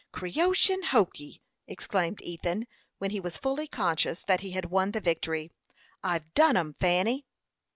"Creation hokee!" exclaimed Ethan, when he was fully conscious that he had won the victory. "I've done 'em, Fanny!"